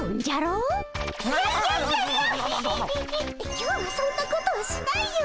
今日はそんなことはしないよぜったい。